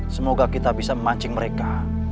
semoga kita bisa memancing mereka